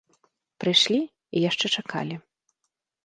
Прыйшлі і яшчэ чакалі.